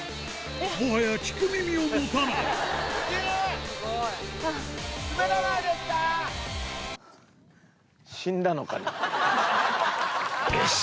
もはや聞く耳を持たないよし！